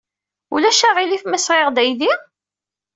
Ulac aɣilif ma sɣiɣ-d aydi?